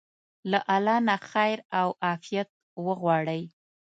له الله نه خير او عافيت وغواړئ.